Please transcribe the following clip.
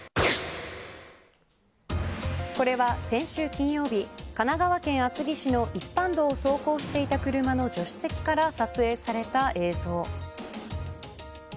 これは、先週金曜日神奈川県厚木市の一般道を走行していた車の助手席から撮影された映像。